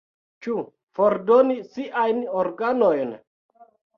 Ĉu fordoni siajn organojn?